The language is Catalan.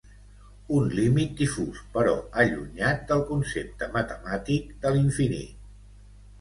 Un límit difús però allunyat del concepte matemàtic de l'infinit.